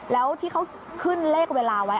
แล้วที่เขาขึ้นเลขเวลาไว้